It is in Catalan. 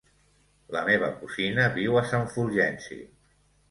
La meva cosina viu a Sant Fulgenci.